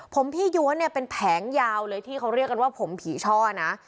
ผมพี่ย้วนเนี่ยเป็นแผงยาวเลยที่เขาเรียกกันว่าผมผีช่อนะ